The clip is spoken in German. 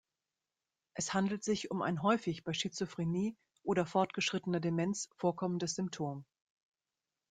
Es handelt sich um ein häufig bei Schizophrenie oder fortgeschrittener Demenz vorkommendes Symptom.